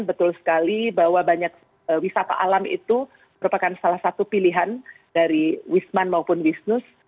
betul sekali bahwa banyak wisata alam itu merupakan salah satu pilihan dari wisman maupun wisnus